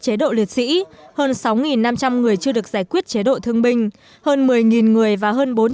chế độ liệt sĩ hơn sáu năm trăm linh người chưa được giải quyết chế độ thương binh hơn một mươi người và hơn